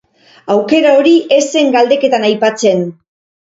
Aukera hori ez zen galdeketan aipatzen.